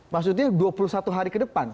maksudnya dua puluh satu hari ke depan